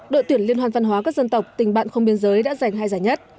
đội tuyển liên hoàn văn hóa các dân tộc tình bạn không biên giới đã giành hai giải nhất